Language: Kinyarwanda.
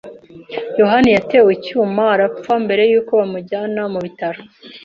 yohani yatewe icyuma arapfa mbere yuko bamujyana mu bitaro.